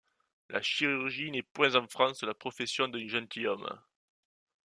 La chirurgie n’est point en France la profession d’un gentilhomme...